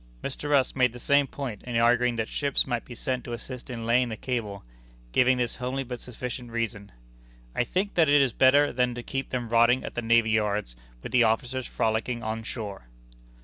Mr. Rusk made the same point, in arguing that ships might be sent to assist in laying the cable, giving this homely but sufficient reason: "I think that is better than to keep them rotting at the navy yards, with the officers frollicking on shore."